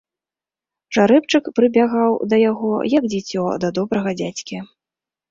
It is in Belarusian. Жарэбчык прыбягаў да яго, як дзіцё да добрага дзядзькі.